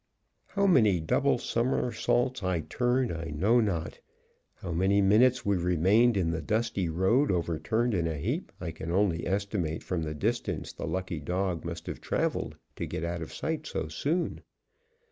How many double somersaults I turned I know not. How many minutes we remained in the dusty road overturned in a heap I can only estimate from the distance the lucky dog must have traveled to get out of sight so soon.